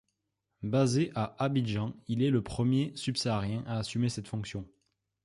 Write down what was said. Basé à Abidjan, il est le premier Subsaharien à assumer cette fonction.